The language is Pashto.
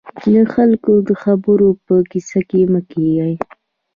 د خلکو د خبرو په کيسه کې مه کېږئ.